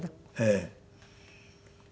ええ。